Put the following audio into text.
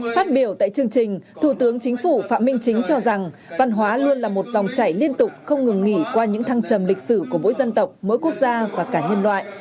phát biểu tại chương trình thủ tướng chính phủ phạm minh chính cho rằng văn hóa luôn là một dòng chảy liên tục không ngừng nghỉ qua những thăng trầm lịch sử của mỗi dân tộc mỗi quốc gia và cả nhân loại